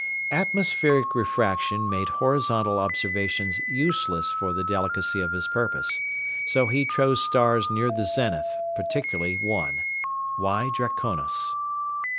Atmospheric refraction made horizon observations useless for the delicacy of his purpose, so he chose stars near the zenith, particularly one [gamma] Draconis.